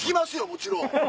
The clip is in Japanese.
もちろん。